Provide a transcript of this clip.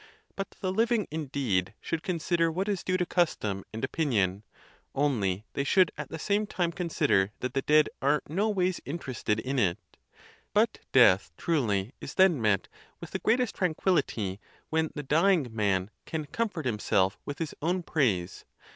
But the living, indeed, should con sider what is due to custom and opinion; only they should at the same time consider that the dead are noways inter ested in it. But death truly is then met with the greatest tranquillity when the dying man can comfort himself with his own praise.